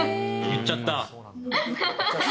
言っちゃった。